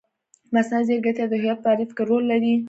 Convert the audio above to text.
مصنوعي ځیرکتیا د هویت په تعریف کې رول لري.